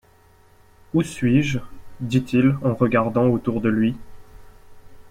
Où suis-je?... dit-il en regardant autour de lui.